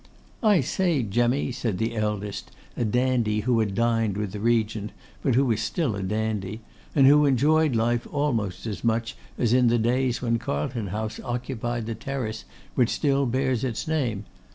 'I say, Jemmy,' said the eldest, a dandy who had dined with the Regent, but who was still a dandy, and who enjoyed life almost as much as in the days when Carlton House occupied the terrace which still bears its name.